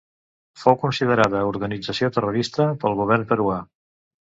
Fou considerada organització terrorista pel Govern peruà.